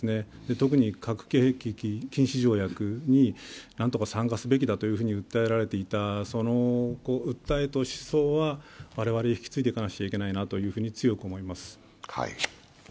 特に核兵器禁止条約に何とか参加すべきだと訴えられていた、その訴えと思想は我々が引き継いでいかなきゃいけないなと、強く思います。